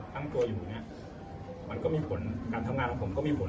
ตั้งตัวอยู่เนี่ยมันก็มีผลการทำงานของผมก็มีผล